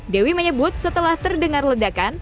dewi menyebut setelah terdengar ledakan